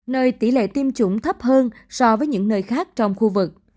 nơi tỷ lệ tiêm chủng thấp hơn so với những nơi khác trong khu vực